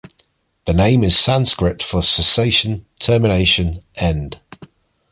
The name is Sanskrit for "cessation, termination, end".